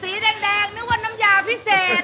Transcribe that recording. สีแดงนึกว่าน้ำยาพิเศษ